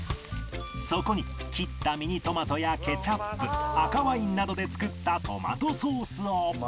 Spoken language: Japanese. そこに切ったミニトマトやケチャップ赤ワインなどで作ったトマトソースを